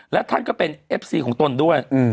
และท่านก็เป็นเอฟซีของตนด้วย